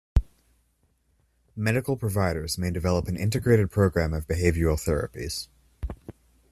Medical providers may develop an integrated program of behavioral therapies.